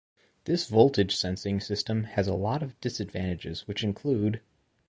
This voltage sensing system has a lot of disadvantages, which include.